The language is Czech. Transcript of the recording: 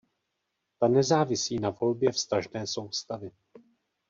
Ta nezávisí na volbě vztažné soustavy.